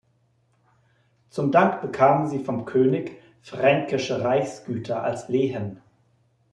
Zum Dank bekamen sie vom König fränkische Reichsgüter als Lehen.